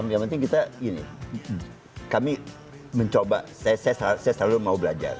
yang penting kita ini kami mencoba saya selalu mau belajar